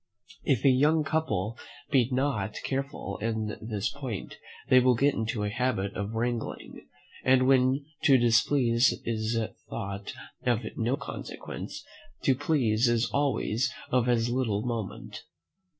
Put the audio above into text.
If a young couple be not careful in this point they will get into a habit of wrangling; and when to displease is thought of no consequence, to please is always of as little moment.